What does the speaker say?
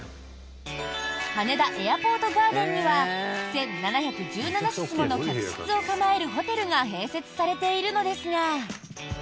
羽田エアポートガーデンには１７１７室もの客室を構えるホテルが併設されているのですが。